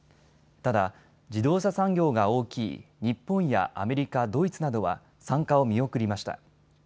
ただ自動車産業が大きい日本やアメリカ、ドイツなどは参加を見送りました。